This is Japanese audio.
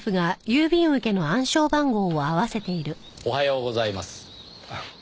おはようございます。